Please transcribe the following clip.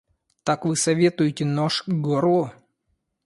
Так вы советуете нож к горлу?